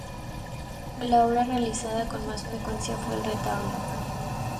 La obra realizada con más frecuencia fue el retablo.